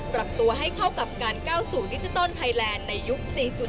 ปรับตัวให้เข้ากับการก้าวสู่ดิจิตอลไทยแลนด์ในยุค๔๐